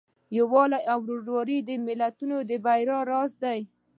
یووالی او ورورولي د ملتونو د بریا راز دی.